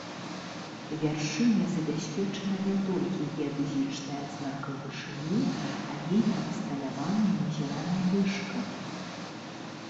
Вяршыня забяспечана не толькі геадэзічнай адзнакай вышыні, але і абсталяванай назіральнай вышкай.